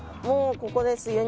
もうここです。